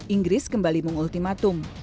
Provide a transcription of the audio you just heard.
inggris kembali mengultimatum